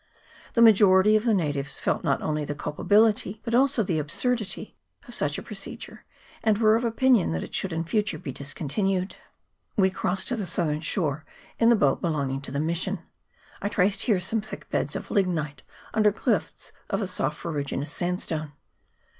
The majority of the natives felt not only the culpability, but also the absurdity, of such a procedure, and were of opinion that it should in future be discontinued. We crossed to the southern shore in the boat x 2 308 KAWIA HARBOUR. [PART II belonging to the mission. I traced there some thick beds of lignite under cliffs of a soft ferruginous sandstone.